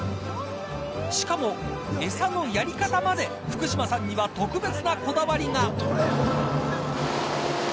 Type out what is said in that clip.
しかも、餌のやり方まで福島さんには特別なこだわりが。